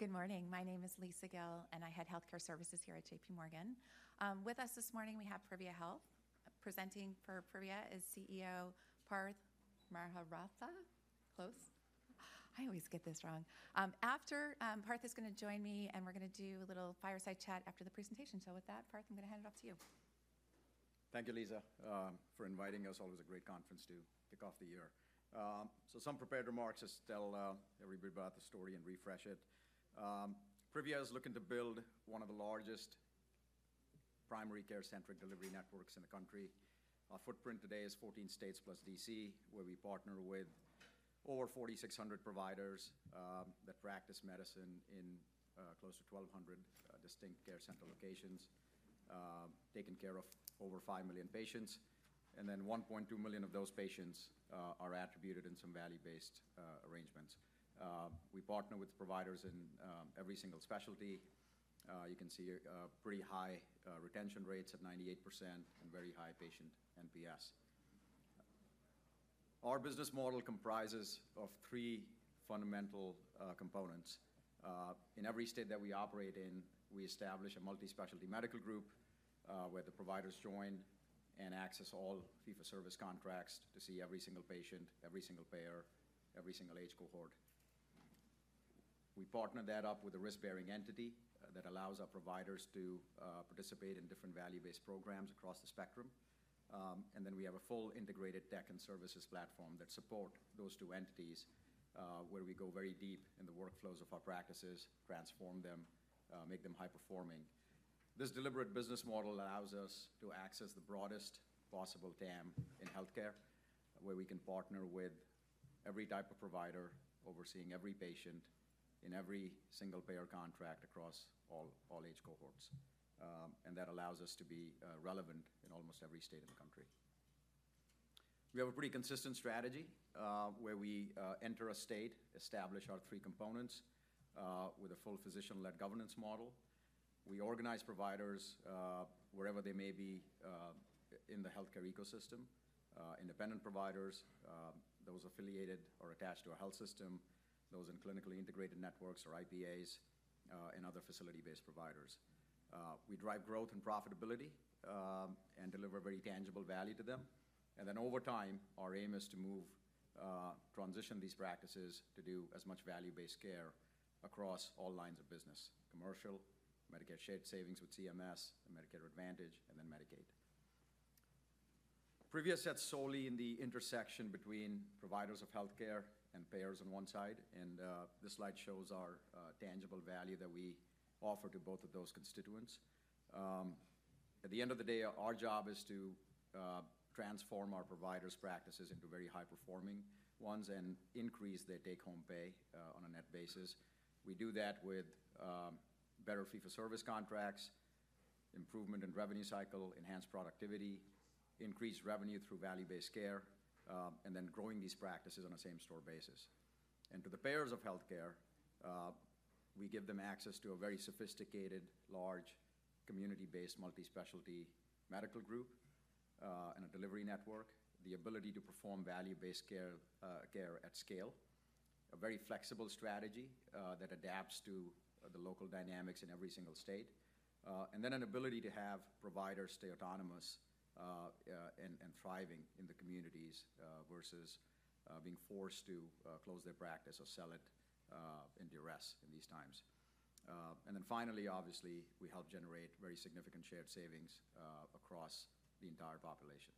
Good morning. My name is Lisa Gill, and I head healthcare services here at J.P. Morgan. With us this morning, we have Privia Health. Presenting for Privia Health is CEO Parth Mehrotra. Close? I always get this wrong. After Parth Mehrotra is going to join me, and we're going to do a little fireside chat after the presentation. So with that, Parth Mehrotra, I'm going to hand it off to you. Thank you, Lisa Gill, for inviting us. Always a great conference to kick off the year. So some prepared remarks just tell everybody about the story and refresh it. Privia Health is looking to build one of the largest primary care-centric delivery networks in the country. Our footprint today is 14 states+ D.C., where we partner with over 4,600 providers that practice medicine in close to 1,200 distinct care center locations, taking care of over 5 million patients. And then 1.2 million of those patients are attributed in some value-based arrangements. We partner with providers in every single specialty. You can see pretty high retention rates at 98% and very high patient NPS. Our business model comprises of three fundamental components. In every state that we operate in, we establish a multi-specialty medical group where the providers join and access all fee-for-service contracts to see every single patient, every single payer, every single age cohort. We partner that up with a risk-bearing entity that allows our providers to participate in different value-based programs across the spectrum. And then we have a full integrated tech and services platform that supports those two entities, where we go very deep in the workflows of our practices, transform them, make them high-performing. This deliberate business model allows us to access the broadest possible TAM in healthcare, where we can partner with every type of provider, overseeing every patient in every single payer contract across all age cohorts. And that allows us to be relevant in almost every state in the country. We have a pretty consistent strategy where we enter a state, establish our three components with a full physician-led governance model. We organize providers wherever they may be in the healthcare ecosystem: independent providers, those affiliated or attached to a health system, those in clinically integrated networks or IPAs, and other facility-based providers. We drive growth and profitability and deliver very tangible value to them. And then over time, our aim is to move, transition these practices to do as much value-based care across all lines of business: commercial, Medicare Shared Savings with CMS, Medicare Advantage, and then Medicaid. Privia Health sits solely in the intersection between providers of healthcare and payers on one side. And this slide shows our tangible value that we offer to both of those constituents. At the end of the day, our job is to transform our providers' practices into very high-performing ones and increase their take-home pay on a net basis. We do that with better fee-for-service contracts, improvement in revenue cycle, enhanced productivity, increased revenue through value-based care, and then growing these practices on a same-store basis. And to the payers of healthcare, we give them access to a very sophisticated, large community-based multi-specialty medical group and a delivery network, the ability to perform value-based care at scale, a very flexible strategy that adapts to the local dynamics in every single state, and then an ability to have providers stay autonomous and thriving in the communities versus being forced to close their practice or sell it and de-risk in these times. And then finally, obviously, we help generate very significant shared savings across the entire population.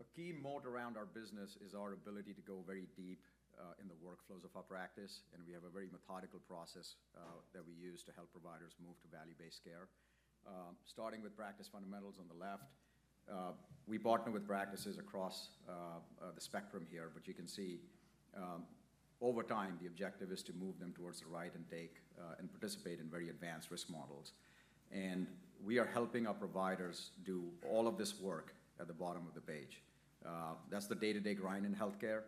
A key moat around our business is our ability to go very deep in the workflows of our practice, and we have a very methodical process that we use to help providers move to value-based care. Starting with practice fundamentals on the left, we partner with practices across the spectrum here, which you can see. Over time, the objective is to move them towards the right and participate in very advanced risk models, and we are helping our providers do all of this work at the bottom of the page. That's the day-to-day grind in healthcare.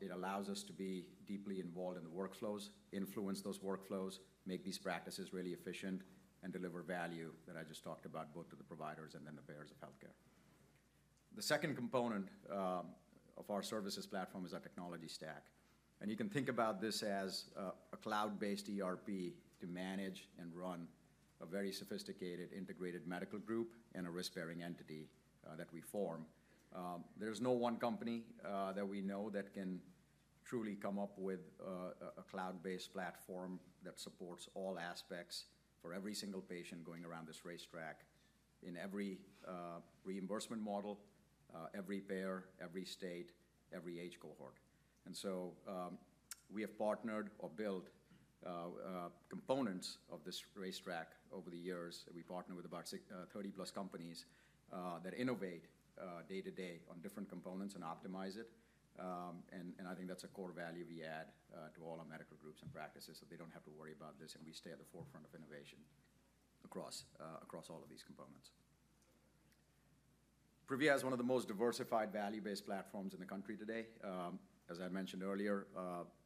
It allows us to be deeply involved in the workflows, influence those workflows, make these practices really efficient, and deliver value that I just talked about, both to the providers and then the payers of healthcare. The second component of our services platform is our technology stack. You can think about this as a cloud-based ERP to manage and run a very sophisticated integrated medical group and a risk-bearing entity that we form. There is no one company that we know that can truly come up with a cloud-based platform that supports all aspects for every single patient going around this racetrack in every reimbursement model, every payer, every state, every age cohort. We have partnered or built components of this racetrack over the years. We partner with about 30+ companies that innovate day-to-day on different components and optimize it. I think that's a core value we add to all our medical groups and practices so they don't have to worry about this, and we stay at the forefront of innovation across all of these components. Privia Health is one of the most diversified value-based platforms in the country today. As I mentioned earlier,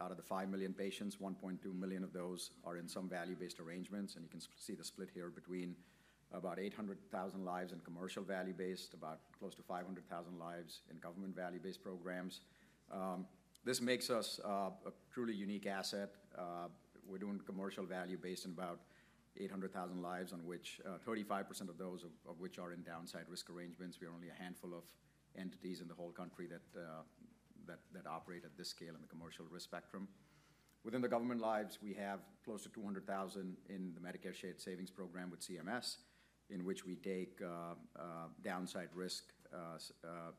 out of the 5 million patients, 1.2 million of those are in some value-based arrangements. And you can see the split here between about 800,000 lives in commercial value-based, about close to 500,000 lives in government value-based programs. This makes us a truly unique asset. We're doing commercial value-based in about 800,000 lives, of which 35% of those are in downside risk arrangements. We are only a handful of entities in the whole country that operate at this scale in the commercial risk spectrum. Within the government lives, we have close to 200,000 in the Medicare Shared Savings Program with CMS, in which we take downside risk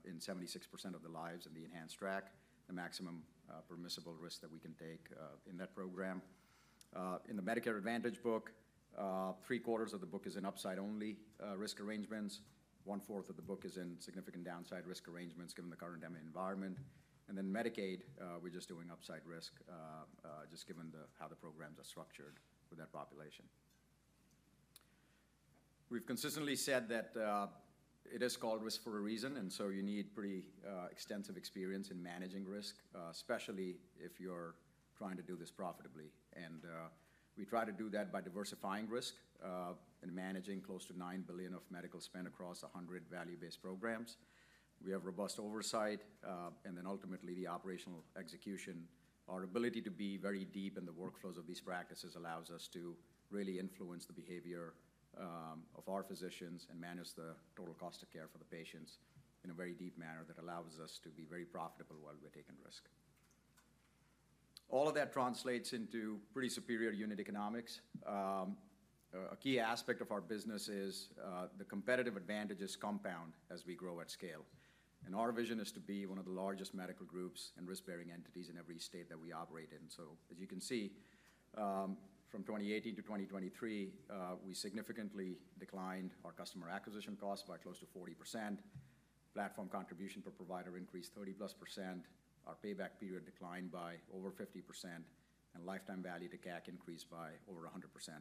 in 76% of the lives in the Enhanced Track, the maximum permissible risk that we can take in that program. In the Medicare Advantage book, three-quarters of the book is in upside-only risk arrangements. One-fourth of the book is in significant downside risk arrangements given the current environment. And then Medicaid, we're just doing upside risk just given how the programs are structured for that population. We've consistently said that it is called risk for a reason, and so you need pretty extensive experience in managing risk, especially if you're trying to do this profitably. And we try to do that by diversifying risk and managing close to $9 billion of medical spend across 100 value-based programs. We have robust oversight. And then ultimately, the operational execution, our ability to be very deep in the workflows of these practices allows us to really influence the behavior of our physicians and manage the total cost of care for the patients in a very deep manner that allows us to be very profitable while we're taking risk. All of that translates into pretty superior unit economics. A key aspect of our business is the competitive advantages compound as we grow at scale, and our vision is to be one of the largest medical groups and risk-bearing entities in every state that we operate in, so as you can see, from 2018-2023, we significantly declined our customer acquisition costs by close to 40%. Platform contribution per provider increased 30-plus %. Our payback period declined by over 50%. Lifetime value to CAC increased by over 100%,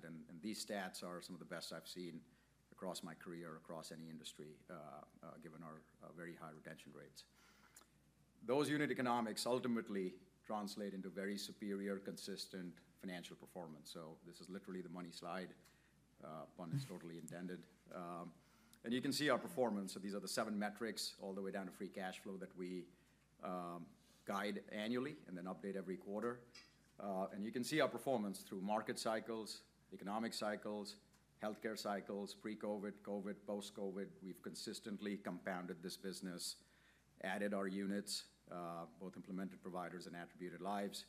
and these stats are some of the best I've seen across my career, across any industry, given our very high retention rates. Those unit economics ultimately translate into very superior, consistent financial performance, so this is literally the money slide, pun is totally intended, and you can see our performance. These are the seven metrics all the way down to free cash flow that we guide annually and then update every quarter. You can see our performance through market cycles, economic cycles, healthcare cycles, pre-COVID, COVID, post-COVID. We've consistently compounded this business, added our units, both implemented providers and attributed lives,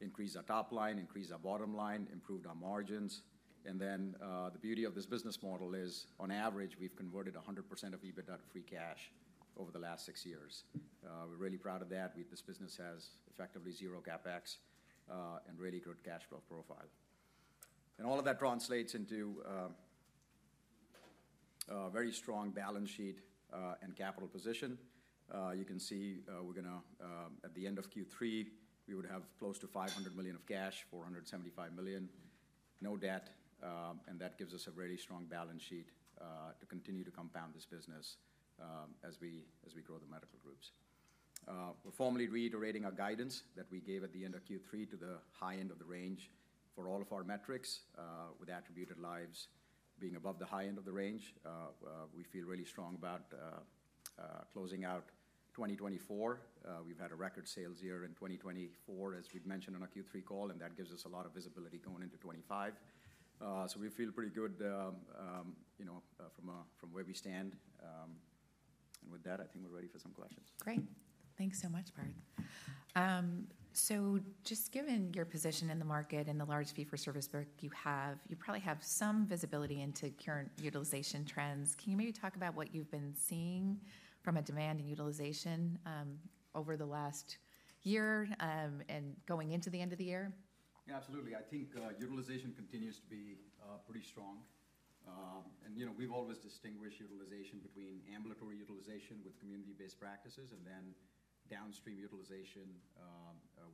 increased our top line, increased our bottom line, improved our margins. The beauty of this business model is, on average, we've converted 100% of EBITDA to free cash over the last six years. We're really proud of that. This business has effectively zero CapEx and really good cash flow profile. All of that translates into a very strong balance sheet and capital position. You can see we're going to, at the end of Q3, we would have close to $500 million of cash, $475 million, no debt. And that gives us a very strong balance sheet to continue to compound this business as we grow the medical groups. We're formally reiterating our guidance that we gave at the end of Q3 to the high end of the range for all of our metrics, with attributed lives being above the high end of the range. We feel really strong about closing out 2024. We've had a record sales year in 2024, as we've mentioned on our Q3 call, and that gives us a lot of visibility going into 2025. So we feel pretty good from where we stand. And with that, I think we're ready for some questions. Great. Thanks so much, Parth Mehrotra. So just given your position in the market and the large fee-for-service book you have, you probably have some visibility into current utilization trends. Can you maybe talk about what you've been seeing from a demand and utilization over the last year and going into the end of the year? Yeah, absolutely. I think utilization continues to be pretty strong. And we've always distinguished utilization between ambulatory utilization with community-based practices and then downstream utilization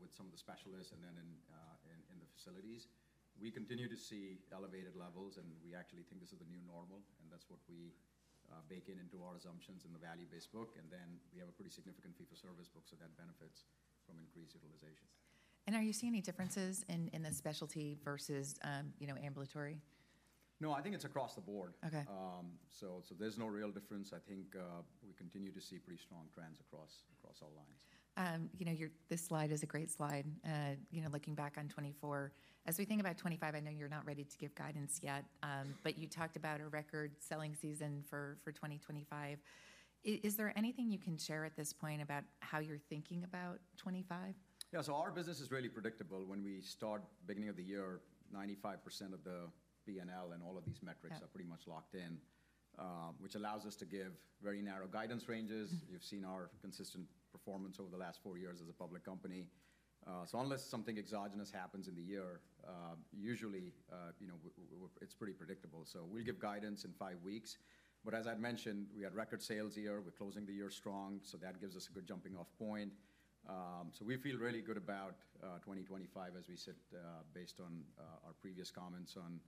with some of the specialists and then in the facilities. We continue to see elevated levels, and we actually think this is the new normal. And that's what we bake into our assumptions in the value-based book. And then we have a pretty significant fee-for-service book, so that benefits from increased utilization. Are you seeing any differences in the specialty versus ambulatory? No, I think it's across the board. So there's no real difference. I think we continue to see pretty strong trends across all lines. This slide is a great slide. Looking back on 2024, as we think about 2025, I know you're not ready to give guidance yet, but you talked about a record selling season for 2025. Is there anything you can share at this point about how you're thinking about 2025? Yeah, so our business is really predictable. When we start beginning of the year, 95% of the P&L and all of these metrics are pretty much locked in, which allows us to give very narrow guidance ranges. You've seen our consistent performance over the last four years as a public company. So unless something exogenous happens in the year, usually it's pretty predictable. So we'll give guidance in five weeks. But as I'd mentioned, we had record sales year. We're closing the year strong, so that gives us a good jumping-off point. So we feel really good about 2025, as we said, based on our previous comments on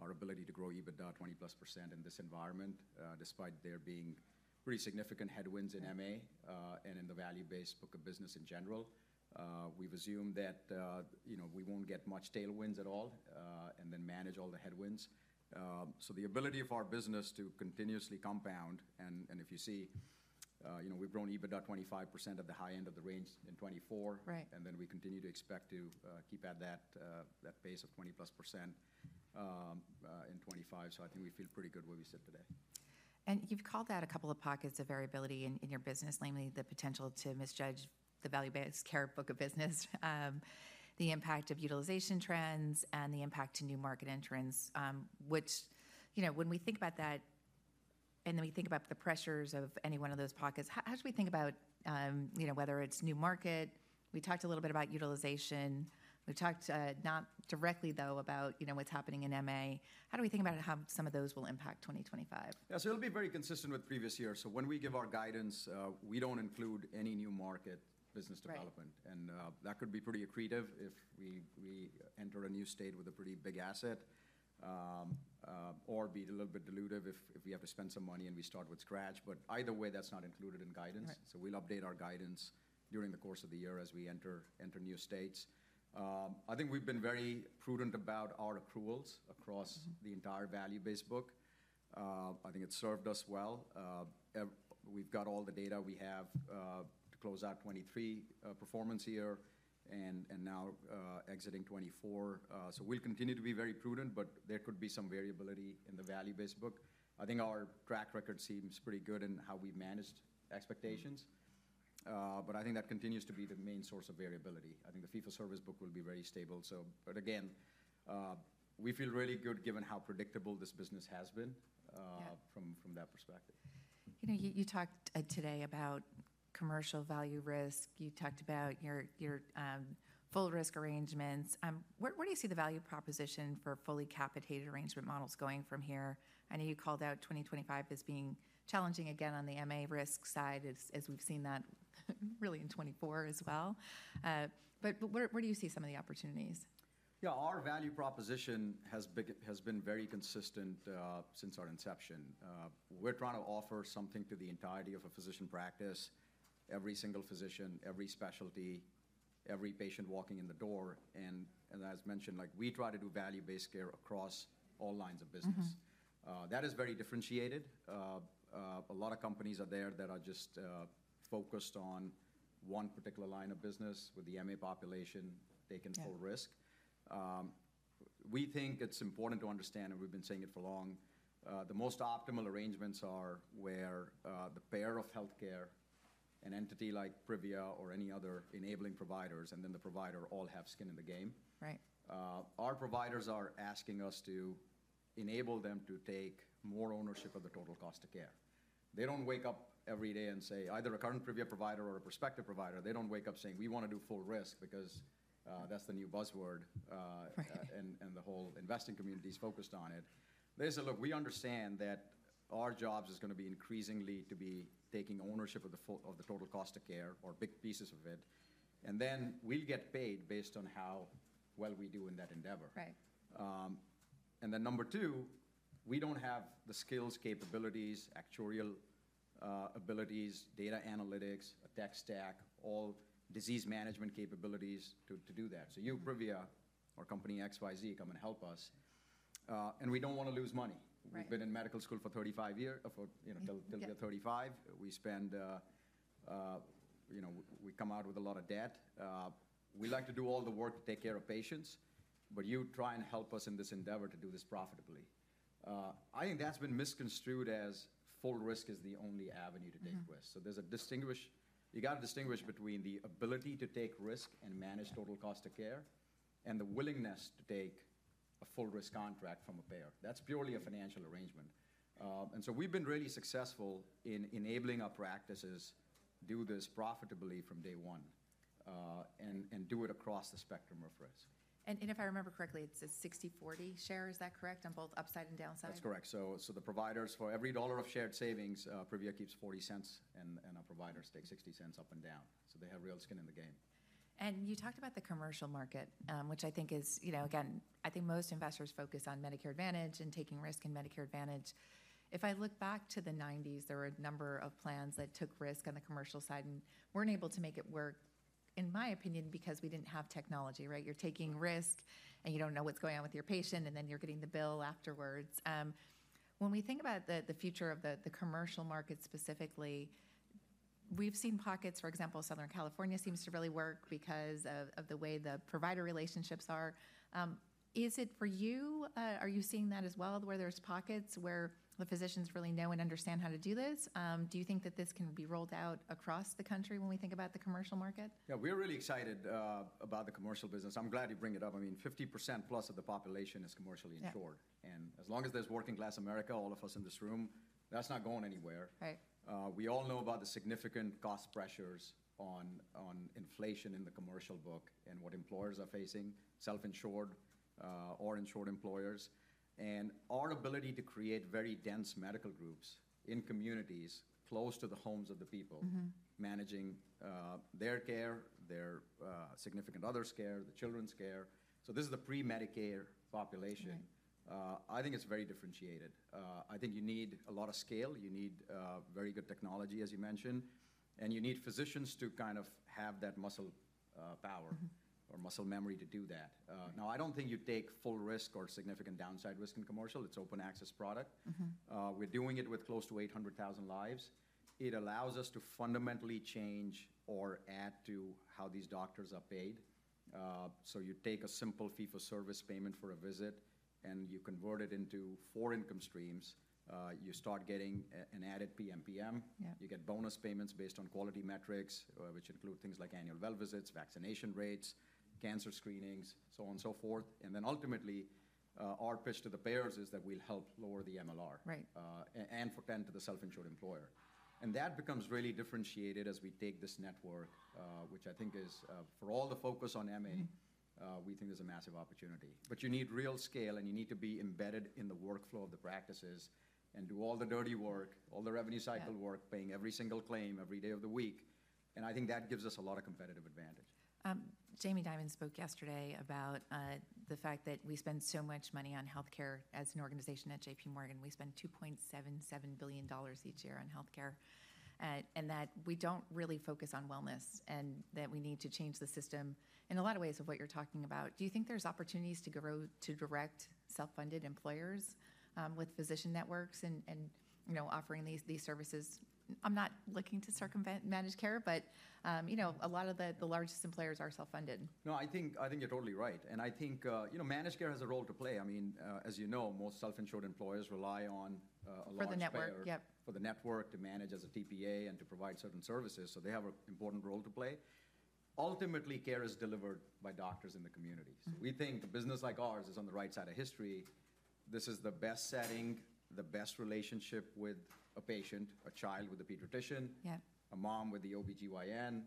our ability to grow EBITDA 20%+ in this environment, despite there being pretty significant head-winds in MA and in the value-based book of business in general. We've assumed that we won't get much tail-winds at all and then manage all the head-winds. So the ability of our business to continuously compound, and if you see, we've grown EBITDA 25% at the high-end of the range in 2024, and then we continue to expect to keep at that pace of 20%+ in 2025. So I think we feel pretty good where we sit today. You've called out a couple of pockets of variability in your business, namely the potential to misjudge the value-based care book of business, the impact of utilization trends, and the impact to new market entrants. Which, when we think about that and then we think about the pressures of any one of those pockets, how should we think about whether it's new market? We talked a little bit about utilization. We've talked not directly, though, about what's happening in MA. How do we think about how some of those will impact 2025? Yeah, so it'll be very consistent with previous years. So when we give our guidance, we don't include any new market business development. And that could be pretty accretive if we enter a new state with a pretty big asset or be a little bit dilutive if we have to spend some money and we start from scratch. But either way, that's not included in guidance. So we'll update our guidance during the course of the year as we enter new states. I think we've been very prudent about our accruals across the entire value-based book. I think it's served us well. We've got all the data we have to close out 2023 performance year and now exiting 2024. So we'll continue to be very prudent, but there could be some variability in the value-based book. I think our track record seems pretty good in how we've managed expectations. But I think that continues to be the main source of variability. I think the fee-for-service book will be very stable. But again, we feel really good given how predictable this business has been from that perspective. You talked today about commercial value risk. You talked about your full risk arrangements. Where do you see the value proposition for fully capitated arrangement models going from here? I know you called out 2025 as being challenging again on the MA risk side, as we've seen that really in 2024 as well. But where do you see some of the opportunities? Yeah, our value proposition has been very consistent since our inception. We're trying to offer something to the entirety of a physician practice, every single physician, every specialty, every patient walking in the door, and as mentioned, we try to do value-based care across all lines of business. That is very differentiated. A lot of companies are there that are just focused on one particular line of business with the MA population taking full risk. We think it's important to understand, and we've been saying it for long, the most optimal arrangements are where the payer of healthcare, an entity like Privia Health or any other enabling providers, and then the provider all have skin in the game. Our providers are asking us to enable them to take more ownership of the total cost of care. They don't wake up every day and say, either a current Privia Health provider or a prospective provider, they don't wake up saying, we want to do full risk because that's the new buzzword, and the whole investing community is focused on it. They say, look, we understand that our job is going to be increasingly to be taking ownership of the total cost of care or big pieces of it. And then we'll get paid based on how well we do in that endeavor. And then number two, we don't have the skills, capabilities, actuarial abilities, data analytics, a tech stack, all disease management capabilities to do that. So you, Privia Health, or company XYZ, come and help us. And we don't want to lose money. We've been in medical school for 35 years. Till we are 35, we come out with a lot of debt. We like to do all the work to take care of patients, but you try and help us in this endeavor to do this profitably. I think that's been misconstrued as full risk is the only avenue to take risk. So there's a distinction. You got to distinguish between the ability to take risk and manage total cost of care and the willingness to take a full risk contract from a payer. That's purely a financial arrangement. And so we've been really successful in enabling our practices to do this profitably from day one and do it across the spectrum of risk. If I remember correctly, it's a 60/40 share. Is that correct on both upside and downside? That's correct, so the providers, for every $1 of shared savings, Privia Health keeps $0.40, and our providers take $0.60 up and down, so they have real skin in the game. You talked about the commercial market, which I think is, again, I think most investors focus on Medicare Advantage and taking risk in Medicare Advantage. If I look back to the 1990s, there were a number of plans that took risk on the commercial side and weren't able to make it work, in my opinion, because we didn't have technology, right? You're taking risk and you don't know what's going on with your patient, and then you're getting the bill afterwards. When we think about the future of the commercial market specifically, we've seen pockets, for example, Southern California seems to really work because of the way the provider relationships are. Is it for you? Are you seeing that as well, where there's pockets where the physicians really know and understand how to do this? Do you think that this can be rolled out across the country when we think about the commercial market? Yeah, we're really excited about the commercial business. I'm glad you bring it up. I mean, 50%+ of the population is commercially insured. And as long as there's working-class America, all of us in this room, that's not going anywhere. We all know about the significant cost pressures on inflation in the commercial book and what employers are facing, self-insured or insured employers. And our ability to create very dense medical groups in communities close to the homes of the people, managing their care, their significant other's care, the children's care. So this is the pre-Medicare population. I think it's very differentiated. I think you need a lot of scale. You need very good technology, as you mentioned. And you need physicians to kind of have that muscle power or muscle memory to do that. Now, I don't think you take full risk or significant downside risk in commercial. It's open access product. We're doing it with close to 800,000 lives. It allows us to fundamentally change or add to how these doctors are paid. So you take a simple fee-for-service payment for a visit and you convert it into four income streams. You start getting an added PMPM. You get bonus payments based on quality metrics, which include things like annual well visits, vaccination rates, cancer screenings, so on and so forth. Then ultimately, our pitch to the payers is that we'll help lower the MLR for the self-insured employer. And that becomes really differentiated as we take this network, which I think is for all the focus on MA, we think there's a massive opportunity. But you need real scale and you need to be embedded in the workflow of the practices and do all the dirty work, all the revenue cycle work, paying every single claim every day of the week. And I think that gives us a lot of competitive advantage. Jamie Dimon spoke yesterday about the fact that we spend so much money on healthcare as an organization at J.P. Morgan. We spend $2.77 billion each year on healthcare and that we don't really focus on wellness and that we need to change the system in a lot of ways of what you're talking about. Do you think there's opportunities to grow to direct self-funded employers with physician networks and offering these services? I'm not looking to circumvent Managed Care, but a lot of the largest employers are self-funded. No, I think you're totally right. And I think managed care has a role to play. I mean, as you know, most self-insured employers rely on a lot of share. For the network, yep. For the network to manage as a TPA and to provide certain services. So they have an important role to play. Ultimately, care is delivered by doctors in the community. So we think a business like ours is on the right side of history. This is the best setting, the best relationship with a patient, a child with a pediatrician, a mom with the OB-GYN,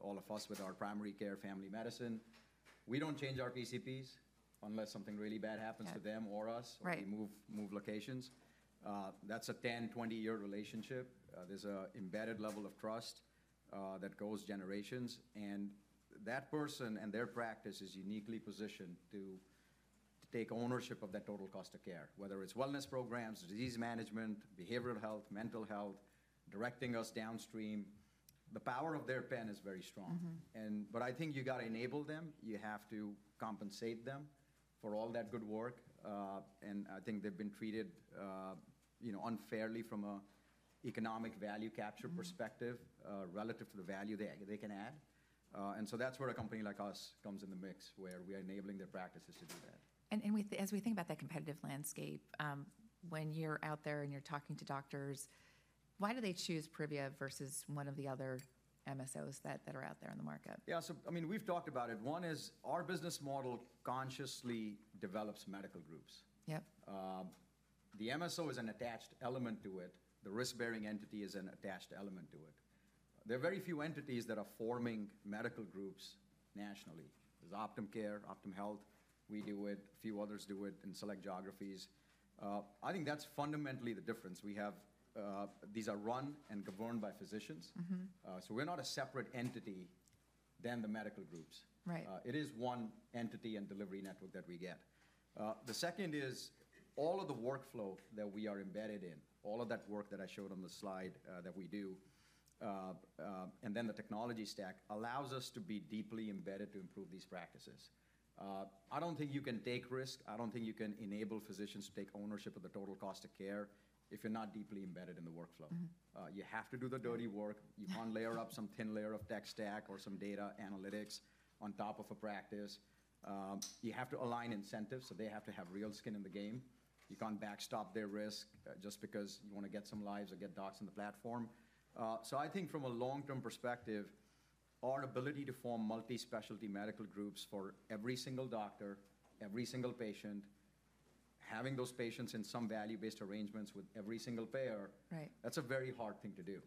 all of us with our primary care family medicine. We don't change our PCPs unless something really bad happens to them or us or we move locations. That's a 10-20 year relationship. There's an embedded level of trust that goes generations, and that person and their practice is uniquely positioned to take ownership of that total cost of care, whether it's wellness programs, disease management, behavioral health, mental health, directing us downstream. The power of their pen is very strong. But I think you got to enable them. You have to compensate them for all that good work. And I think they've been treated unfairly from an economic value capture perspective relative to the value they can add. And so that's where a company like us comes in the mix, where we are enabling their practices to do that. As we think about that competitive landscape, when you're out there and you're talking to doctors, why do they choose Privia Health versus one of the other MSOs that are out there in the market? Yeah, so I mean, we've talked about it. One is our business model consciously develops medical groups. The MSO is an attached element to it. The risk-bearing entity is an attached element to it. There are very few entities that are forming medical groups nationally. There's Optum Care, Optum Health. We do it. A few others do it in select geographies. I think that's fundamentally the difference. These are run and governed by physicians. So we're not a separate entity than the medical groups. It is one entity and delivery network that we get. The second is all of the workflow that we are embedded in, all of that work that I showed on the slide that we do, and then the technology stack allows us to be deeply embedded to improve these practices. I don't think you can take risk. I don't think you can enable physicians to take ownership of the total cost of care if you're not deeply embedded in the workflow. You have to do the dirty work. You can't layer up some thin layer of tech stack or some data analytics on top of a practice. You have to align incentives, so they have to have real skin in the game. You can't backstop their risk just because you want to get some lives or get docs on the platform. So I think from a long-term perspective, our ability to form multi-specialty medical groups for every single doctor, every single patient, having those patients in some value-based arrangements with every single payer, that's a very hard thing to do.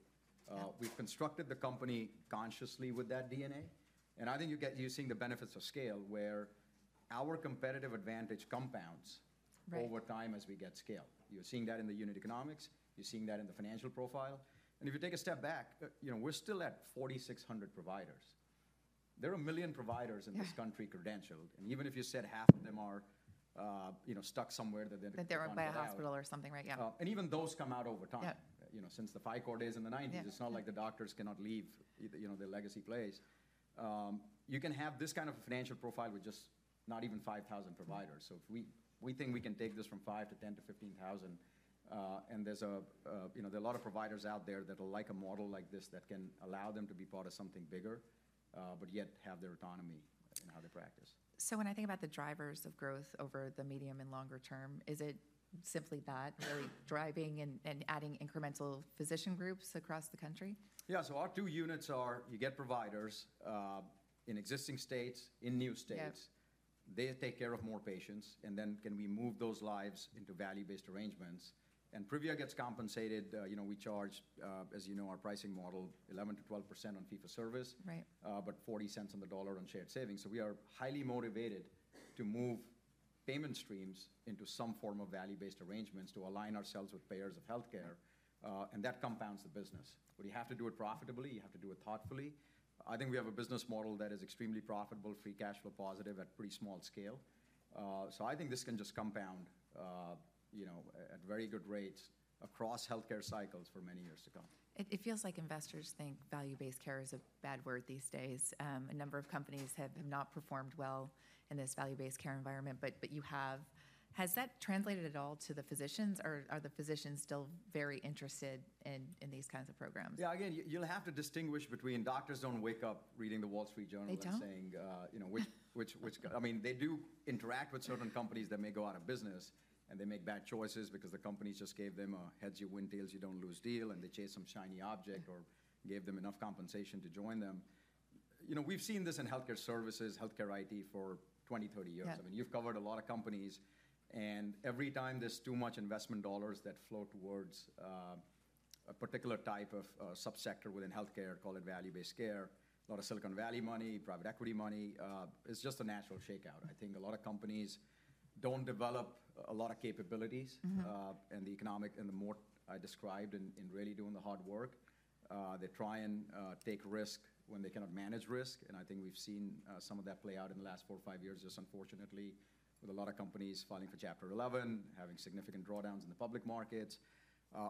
We've constructed the company consciously with that DNA. I think you're seeing the benefits of scale where our competitive advantage compounds over time as we get scale. You're seeing that in the unit economics. You're seeing that in the financial profile. If you take a step back, we're still at 4,600 providers. There are a million providers in this country credentialed. Even if you said half of them are stuck somewhere. That they're owned by a hospital or something, right? Yeah. Even those come out over time. Since the PhyCor days in the 1990s, it's not like the doctors cannot leave their legacy place. You can have this kind of a financial profile with just not even 5,000 providers. So we think we can take this from 5,000 to 10,000 to 15,000. And there's a lot of providers out there that will like a model like this that can allow them to be part of something bigger, but yet have their autonomy in how they practice. So when I think about the drivers of growth over the medium and longer term, is it simply that, really driving and adding incremental physician groups across the country? Yeah, so our two units are, you get providers in existing states, in new states. They take care of more patients. And then can we move those lives into value-based arrangements? And Privia Health gets compensated. We charge, as you know, our pricing model, 11%-12% on fee-for-service, but 40 cents on the dollar on shared savings. So we are highly motivated to move payment streams into some form of value-based arrangements to align ourselves with payers of healthcare. And that compounds the business. But you have to do it profitably. You have to do it thoughtfully. I think we have a business model that is extremely profitable, free cash flow positive at pretty small scale. So I think this can just compound at very good rates across healthcare cycles for many years to come. It feels like investors think value-based care is a bad word these days. A number of companies have not performed well in this value-based care environment, but you have. Has that translated at all to the physicians? Are the physicians still very interested in these kinds of programs? Yeah, again, you'll have to distinguish between doctors don't wake up reading The Wall Street Journal and saying, which, I mean, they do interact with certain companies that may go out of business and they make bad choices because the companies just gave them a heads you win tails you don't lose deal and they chase some shiny object or gave them enough compensation to join them. We've seen this in healthcare services, healthcare IT for 20-30 years. I mean, you've covered a lot of companies. And every time there's too much investment dollars that flow towards a particular type of subsector within healthcare, call it value-based care, a lot of Silicon Valley money, private equity money, it's just a natural shakeout. I think a lot of companies don't develop a lot of capabilities and the economic and the more I described in really doing the hard work. They try and take risk when they cannot manage risk, and I think we've seen some of that play out in the last four or five years, just unfortunately, with a lot of companies filing for Chapter 11, having significant drawdowns in the public markets.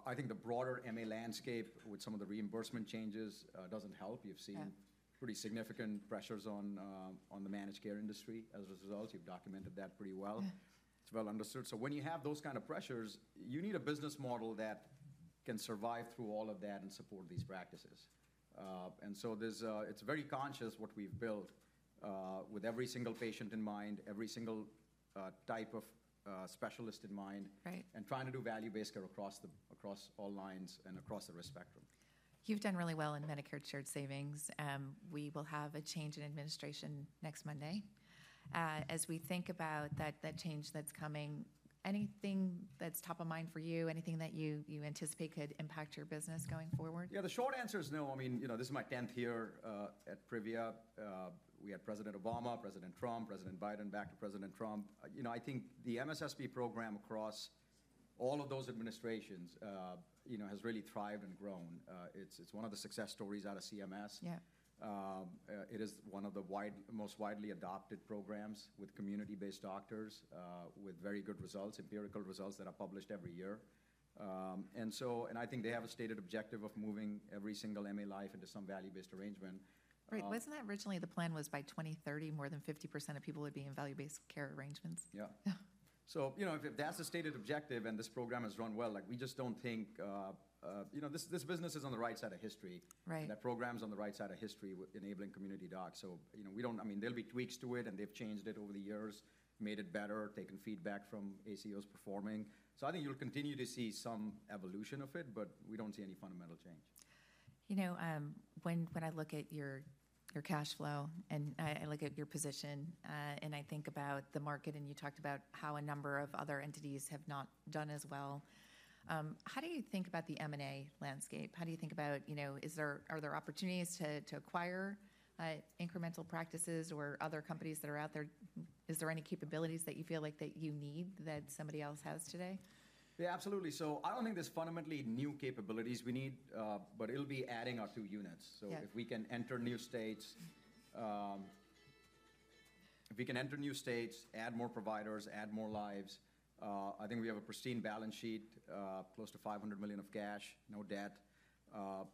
I think the broader MA landscape with some of the reimbursement changes doesn't help. You've seen pretty significant pressures on the managed care industry as a result. You've documented that pretty well. It's well understood, so when you have those kinds of pressures, you need a business model that can survive through all of that and support these practices, and so it's very conscious what we've built with every single patient in mind, every single type of specialist in mind, and trying to do value-based care across all lines and across the risk spectrum. You've done really well in Medicare Shared Savings. We will have a change in administration next Monday. As we think about that change that's coming, anything that's top of mind for you, anything that you anticipate could impact your business going forward? Yeah, the short answer is no. I mean, this is my 10th year at Privia Health. We had President Barack Obama, President Donald Trump, President Joe Biden, back to President Donald Trump. I think the MSSP program across all of those administrations has really thrived and grown. It's one of the success stories out of CMS. It is one of the most widely adopted programs with community-based doctors, with very good results, empirical results that are published every year. And I think they have a stated objective of moving every single MA life into some value-based arrangement. Wait, wasn't that originally the plan, by 2030, more than 50% of people would be in value-based care arrangements? Yeah. So if that's the stated objective and this program has run well, we just don't think this business is on the right side of history. That program's on the right side of history enabling community docs. So I mean, there'll be tweaks to it and they've changed it over the years, made it better, taken feedback from ACOs performing. So I think you'll continue to see some evolution of it, but we don't see any fundamental change. You know, when I look at your cash flow and I look at your position and I think about the market and you talked about how a number of other entities have not done as well, how do you think about the M&A landscape? How do you think about, are there opportunities to acquire incremental practices or other companies that are out there? Is there any capabilities that you feel like that you need that somebody else has today? Yeah, absolutely. So I don't think there's fundamentally new capabilities we need, but it'll be adding our two units. So if we can enter new states, if we can enter new states, add more providers, add more lives, I think we have a pristine balance sheet, close to $500 million of cash, no debt.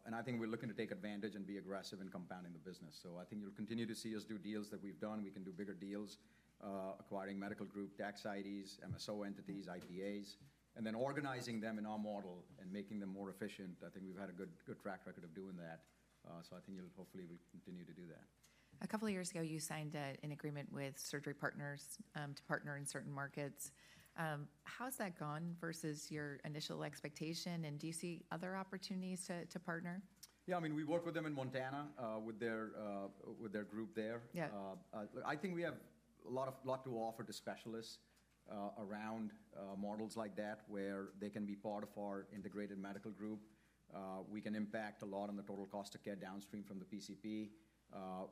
And I think we're looking to take advantage and be aggressive in compounding the business. So I think you'll continue to see us do deals that we've done. We can do bigger deals, acquiring medical group, tax IDs, MSO entities, IPAs, and then organizing them in our model and making them more efficient. I think we've had a good track record of doing that. So I think hopefully we'll continue to do that. A couple of years ago, you signed an agreement with Surgery Partners to partner in certain markets. How's that gone versus your initial expectation? And do you see other opportunities to partner? Yeah, I mean, we worked with them in Montana with their group there. I think we have a lot to offer to specialists around models like that where they can be part of our integrated medical group. We can impact a lot on the total cost of care downstream from the PCP.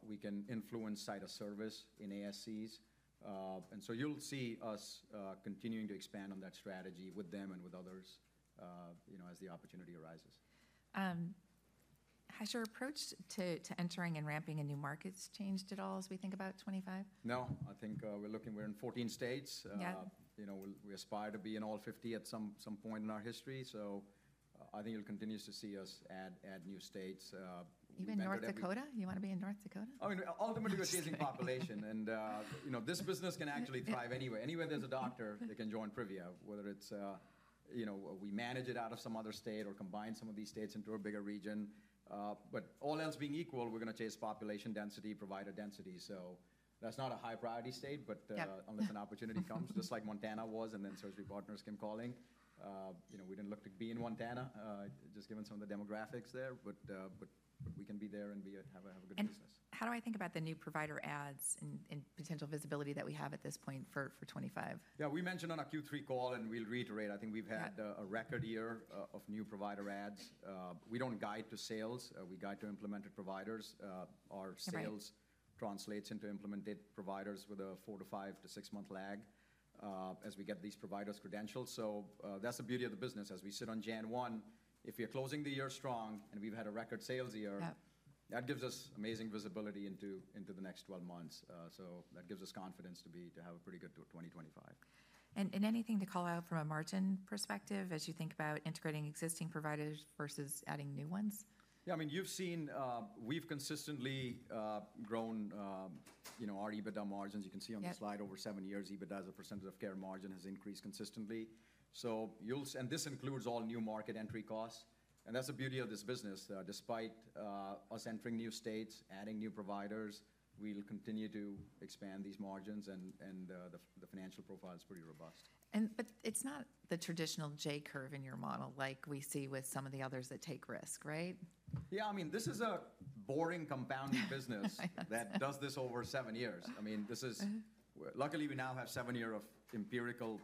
We can influence site of service in ASCs. And so you'll see us continuing to expand on that strategy with them and with others as the opportunity arises. Has your approach to entering and ramping in new markets changed at all as we think about 2025? No. I think we're looking, we're in 14 states. We aspire to be in all 50 states at some point in our history. So I think you'll continue to see us add new states. Even North Dakota? You want to be in North Dakota? I mean, ultimately we're chasing population, and this business can actually thrive anywhere. Anywhere there's a doctor, they can join Privia Health, whether it's we manage it out of some other state or combine some of these states into a bigger region, but all else being equal, we're going to chase population density, provider density, so that's not a high priority state, but unless an opportunity comes, just like Montana was and then Surgery Partners came calling, we didn't look to be in Montana, just given some of the demographics there, but we can be there and have a good business. How do I think about the new provider adds and potential visibility that we have at this point for 2025? Yeah, we mentioned on our Q3 call and we'll reiterate. I think we've had a record year of new provider adds. We don't guide to sales. We guide to implemented providers. Our sales translates into implemented providers with a four- to five- to six-month lag as we get these providers credentialed. So that's the beauty of the business. As we sit on January 1, if we are closing the year strong and we've had a record sales year, that gives us amazing visibility into the next 12 months. So that gives us confidence to have a pretty good 2025. Anything to call out from a margin perspective as you think about integrating existing providers versus adding new ones? Yeah, I mean, you've seen we've consistently grown our EBITDA margins. You can see on the slide over seven years, EBITDA as a percentage of care margin has increased consistently. And this includes all new market entry costs. And that's the beauty of this business. Despite us entering new states, adding new providers, we'll continue to expand these margins and the financial profile is pretty robust. But it's not the traditional J-curve in your model like we see with some of the others that take risk, right? Yeah, I mean, this is a boring compounding business that does this over seven years. I mean, luckily we now have seven years of empirical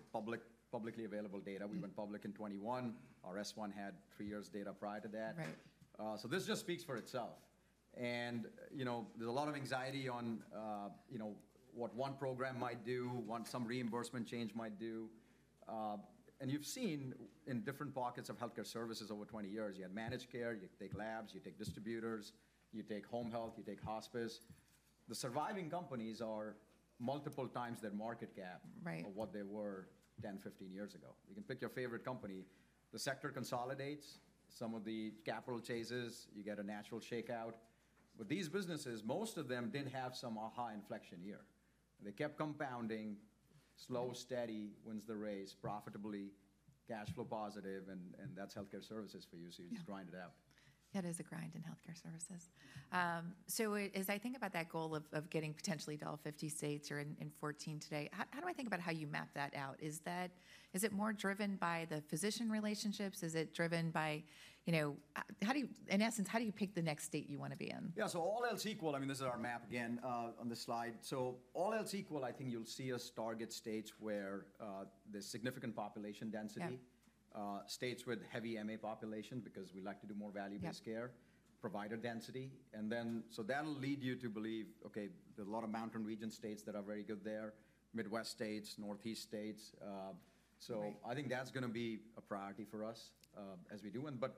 publicly available data. We went public in 2021. Our S-1 had three years' data prior to that. So this just speaks for itself. And there's a lot of anxiety on what one program might do, what some reimbursement change might do. And you've seen in different pockets of healthcare services over 20 years, you had managed care, you take labs, you take distributors, you take home health, you take hospice. The surviving companies are multiple times their market cap of what they were 10-15 years ago. You can pick your favorite company. The sector consolidates, some of the capital chases, you get a natural shakeout. But these businesses, most of them did have some aha inflection year. They kept compounding, slow, steady, wins the race, profitably, cash flow positive, and that's healthcare services for you. So you're just grinding it out. Yeah, there's a grind in healthcare services. So as I think about that goal of getting potentially to all 50 states or in 14 states today, how do I think about how you map that out? Is it more driven by the physician relationships? Is it driven by, in essence, how do you pick the next state you want to be in? Yeah, so all else equal, I mean, this is our map again on the slide. So all else equal, I think you'll see us target states where there's significant population density, states with heavy MA population because we like to do more value-based care, provider density. And then so that'll lead you to believe, okay, there's a lot of mountain region states that are very good there, Midwest states, Northeast states. So I think that's going to be a priority for us as we do. But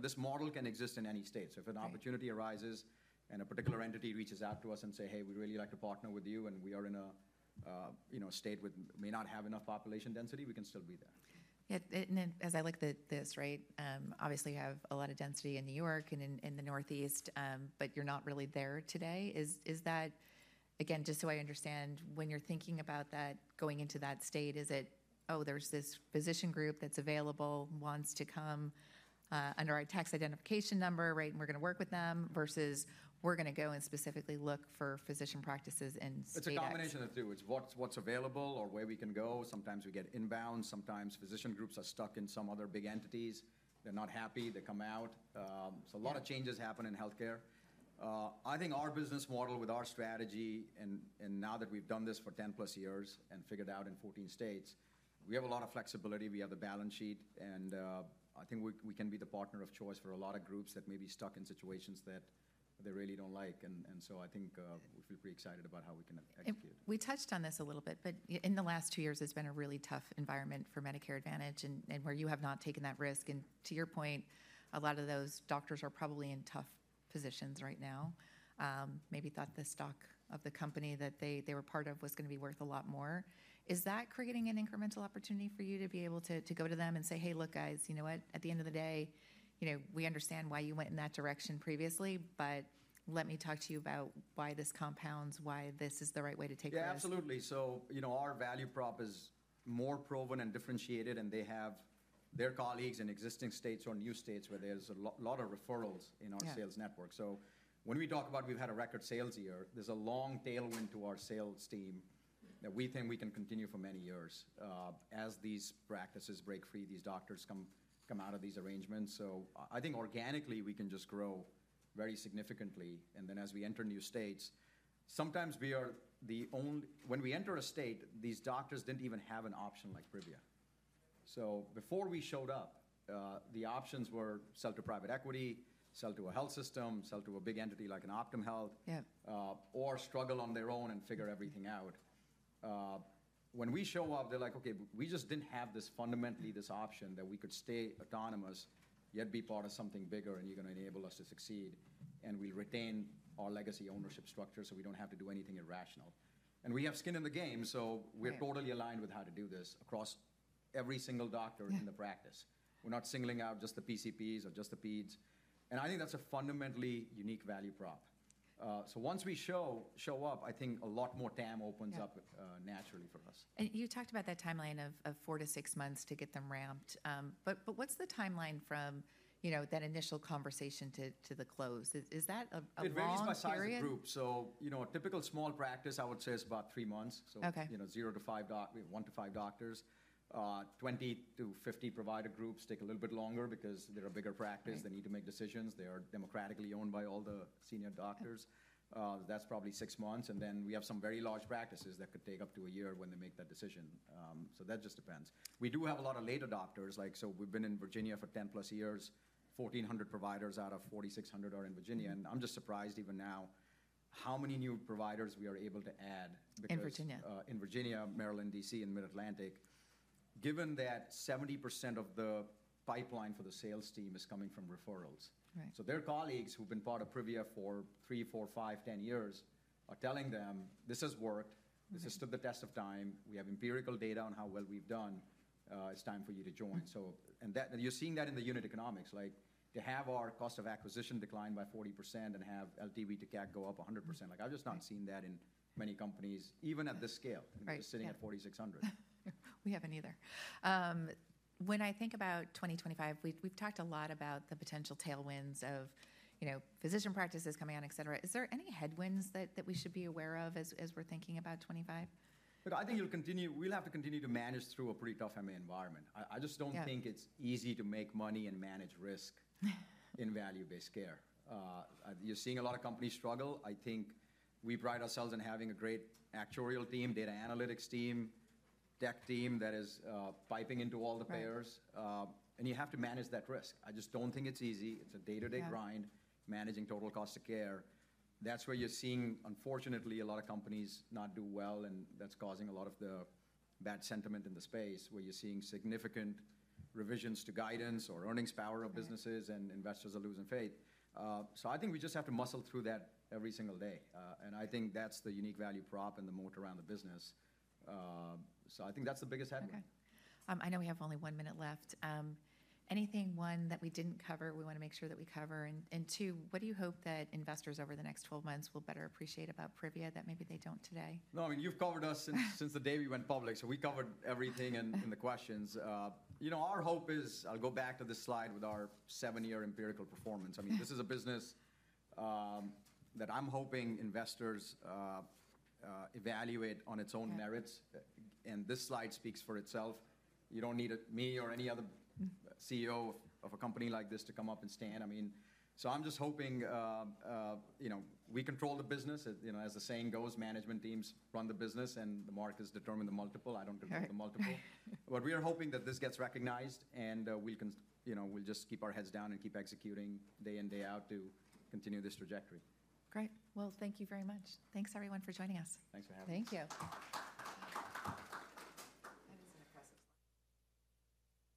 this model can exist in any state. So if an opportunity arises and a particular entity reaches out to us and says, "Hey, we'd really like to partner with you," and we are in a state that may not have enough population density, we can still be there. As I look at this, right, obviously you have a lot of density in New York and in the Northeast, but you're not really there today. Is that, again, just so I understand, when you're thinking about that, going into that state, is it, "Oh, there's this physician group that's available, wants to come under our tax identification number, right, and we're going to work with them," versus, "We're going to go and specifically look for physician practices in Central? It's a combination of the two. It's what's available or where we can go. Sometimes we get inbound. Sometimes physician groups are stuck in some other big entities. They're not happy. They come out. So a lot of changes happen in healthcare. I think our business model with our strategy, and now that we've done this for 10+ years and figured out in 14 states, we have a lot of flexibility. We have the balance sheet. And I think we can be the partner of choice for a lot of groups that may be stuck in situations that they really don't like. And so I think we feel pretty excited about how we can execute. We touched on this a little bit, but in the last two years, it's been a really tough environment for Medicare Advantage and where you have not taken that risk, and to your point, a lot of those doctors are probably in tough positions right now. Maybe thought the stock of the company that they were part of was going to be worth a lot more. Is that creating an incremental opportunity for you to be able to go to them and say, "Hey, look, guys, you know what? At the end of the day, we understand why you went in that direction previously, but let me talk to you about why this compounds, why this is the right way to take this."? Yeah, absolutely. So our value prop is more proven and differentiated, and they have their colleagues in existing states or new states where there's a lot of referrals in our sales network. So when we talk about, we've had a record sales year, there's a long tailwind to our sales team that we think we can continue for many years as these practices break free, these doctors come out of these arrangements. So I think organically we can just grow very significantly. And then as we enter new states, sometimes we are the only when we enter a state, these doctors didn't even have an option like Privia Health. So before we showed up, the options were sell to private equity, sell to a health system, sell to a big entity like an Optum Health, or struggle on their own and figure everything out. When we show up, they're like, "Okay, we just didn't have this fundamentally, this option that we could stay autonomous, yet be part of something bigger, and you're going to enable us to succeed, and we'll retain our legacy ownership structure so we don't have to do anything irrational." And we have skin in the game, so we're totally aligned with how to do this across every single doctor in the practice. We're not singling out just the PCPs or just the pediatricians. And I think that's a fundamentally unique value prop. So once we show up, I think a lot more TAM opens up naturally for us. And you talked about that timeline of four to six months to get them ramped. But what's the timeline from that initial conversation to the close? Is that a very? It varies by size of group, so a typical small practice, I would say, is about three months, so zero to five doctors, one to five doctors, 20-50 provider groups take a little bit longer because they're a bigger practice. They need to make decisions. They are democratically owned by all the senior doctors. That's probably six months, and then we have some very large practices that could take up to a year when they make that decision, so that just depends. We do have a lot of later doctors, so we've been in Virginia for 10+ years. 1,400 providers out of 4,600 are in Virginia, and I'm just surprised even now how many new providers we are able to add because. In Virginia? In Virginia, Maryland, D.C., and Mid-Atlantic, given that 70% of the pipeline for the sales team is coming from referrals. So their colleagues who've been part of Privia Health for three, four, five, ten years are telling them, "This has worked. This has stood the test of time. We have empirical data on how well we've done. It's time for you to join." And you're seeing that in the unit economics. To have our cost of acquisition decline by 40% and have LTV to CAC go up 100%, I've just not seen that in many companies, even at this scale. We're sitting at 4,600. We haven't either. When I think about 2025, we've talked a lot about the potential tailwinds of physician practices coming out, etc. Is there any headwinds that we should be aware of as we're thinking about 2025? Look, I think we'll have to continue to manage through a pretty tough MA environment. I just don't think it's easy to make money and manage risk in value-based care. You're seeing a lot of companies struggle. I think we pride ourselves in having a great actuarial team, data analytics team, tech team that is piping into all the payers, and you have to manage that risk. I just don't think it's easy. It's a day-to-day grind managing total cost of care. That's where you're seeing, unfortunately, a lot of companies not do well, and that's causing a lot of the bad sentiment in the space where you're seeing significant revisions to guidance or earnings power of businesses, and investors are losing faith. So I think we just have to muscle through that every single day, and I think that's the unique value prop and the moat around the business. I think that's the biggest head-wind. Okay. I know we have only one minute left. Anything, one, that we didn't cover we want to make sure that we cover? And two, what do you hope that investors over the next 12 months will better appreciate about Privia Health that maybe they don't today? No, I mean, you've covered us since the day we went public. So we covered everything in the questions. Our hope is, I'll go back to this slide with our seven-year empirical performance. I mean, this is a business that I'm hoping investors evaluate on its own merits. And this slide speaks for itself. You don't need me or any other CEO of a company like this to come up and stand. I mean, so I'm just hoping we control the business. As the saying goes, management teams run the business, and the markets determine the multiple. I don't determine the multiple. But we are hoping that this gets recognized, and we'll just keep our heads down and keep executing day in, day out to continue this trajectory. Great. Well, thank you very much. Thanks, everyone, for joining us. Thanks for having us. Thank you. That is an impressive slide.